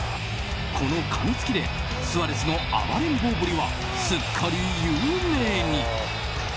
このかみつきでスアレスの暴れん坊ぶりはすっかり有名に。